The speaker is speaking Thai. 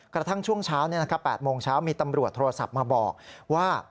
กระทั่งช่วงเช้า๘โมงเช้ามีตำรวจโทรศัพท์มาบอกว่า